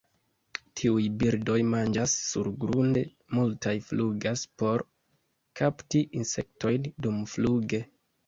Tiuj birdoj manĝas surgrunde, multaj flugas por kapti insektojn dumfluge.